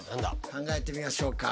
考えてみましょうか。